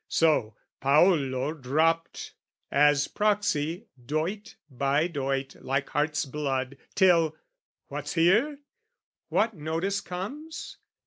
So, Paolo dropped, as proxy, doit by doit Like heart's blood, till what's here? What notice comes?